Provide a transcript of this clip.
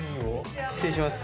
失礼します。